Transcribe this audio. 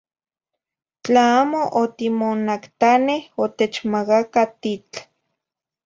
Tla amo otimonactaneh otechmagaca titl.